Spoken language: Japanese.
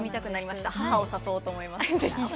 母を誘うと思います。